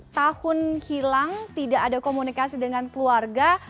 dua puluh satu tahun hilang tidak ada komunikasi dengan keluarga